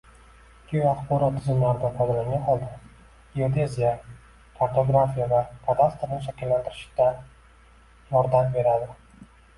Geoaxborot tizimlaridan foydalangan holda geodeziya, kartografiya va kadastrni shakllantirishda yordam beradi.